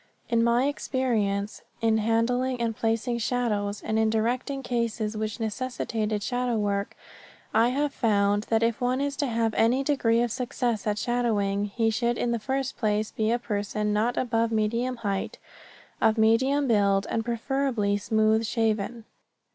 In my experience in handling and placing shadows, and in directing cases which necessitated shadow work, I have found that if one is to have any degree of success at shadowing, he should in the first place be a person not above medium height, of medium build, and preferably smooth shaven.